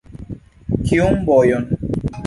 Kiun vojon?